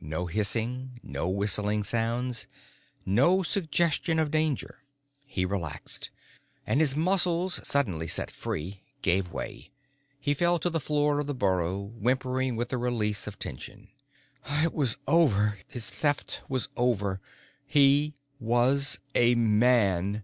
No hissing, no whistling sounds. No suggestion of danger. He relaxed, and his muscles suddenly set free gave way. He fell to the floor of the burrow, whimpering with the release of tension. It was over. His Theft was over. He was a man.